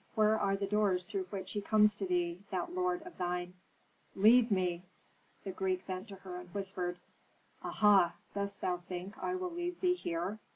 Where are the doors through which he comes to thee that lord of thine?" "Leave me!" The Greek bent to her, and whispered, "Aha! Dost think that I will leave thee here?